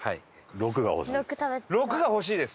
「６」が欲しいです。